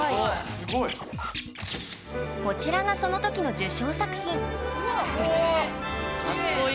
こちらがその時の受賞作品うわ！